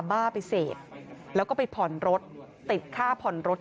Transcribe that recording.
บูรค่าความเสียหายเป็น๕แสนบาทได้อะค่ะ